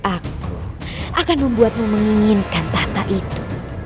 aku akan membuatmu menginginkan tahta itu